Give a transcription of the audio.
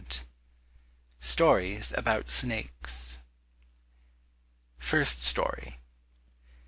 105 Stories about Snakes First Story.